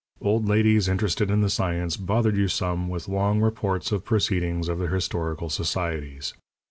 Old ladies interested in the science bothered you some with long reports of proceedings of their historical societies.